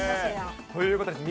ということです。